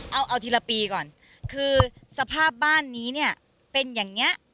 เอาเอาทีละปีก่อนคือสภาพบ้านนี้เนี่ยเป็นอย่างนี้